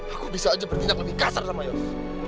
aku bisa aja berdiri yang lebih kasar sama yos